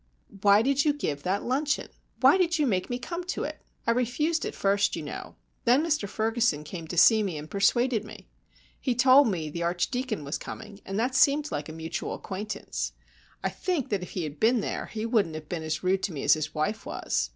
"Why did you give that luncheon? Why did you make me come to it? I refused at first, you know. Then Mr Ferguson came to see me and persuaded me. He told me the Archdeacon was coming, and that seemed like a mutual acquaintance. I think if he had been there he wouldn't have been as rude to me as his wife was.